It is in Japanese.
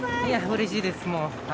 うれしいです、もう。